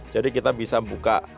jadi kita bisa buka